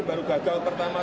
baru gagal pertama